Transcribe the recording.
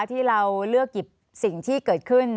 ที่เราเลือกหยิบสิ่งที่เกิดขึ้น